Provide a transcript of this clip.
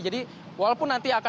jadi walaupun nanti akan